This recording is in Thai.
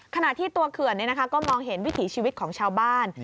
ขณะที่ตัวเขื่อนก็มองเห็นวิถีชีวิตของชาวบ้าน